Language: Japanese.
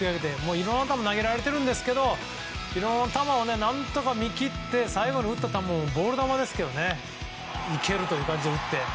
いろんな球を投げられてるんですけど何とか見切って最後に打った球もボール球ですけどねいけるという感じで打って。